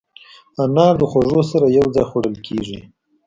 انار د خوړو سره یو ځای خوړل کېږي.